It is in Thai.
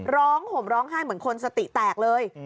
ห่มร้องไห้เหมือนคนสติแตกเลย